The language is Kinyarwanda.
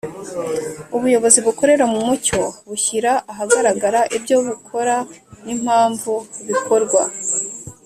Ubuyobozi bukorera mu mucyo bushyira ahagaragara ibyo bukora n'impamvu bikorwa